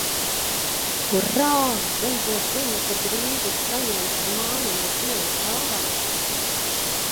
Urā, beidzot ziņa, ka drīzi saņemšu māmiņas dienas dāvanu.